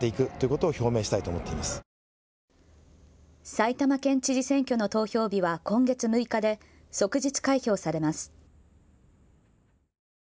埼玉県知事選挙の投票日は今月６日で即日開票されます。